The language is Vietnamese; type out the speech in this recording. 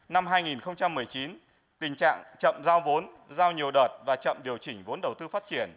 năm hai nghìn một mươi chín tình trạng chậm giao vốn giao nhiều đợt và chậm điều chỉnh vốn đầu tư phát triển